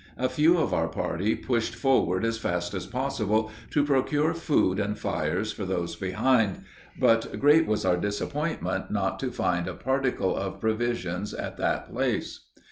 A few of our party pushed forward as fast as possible, to procure food and fires for those behind, but great was our disappointment not to find a particle of provisions at that place.